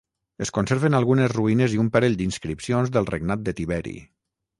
Es conserven algunes ruïnes i un parell d'inscripcions del regnat de Tiberi.